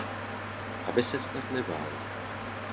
Aby ses tak nebál.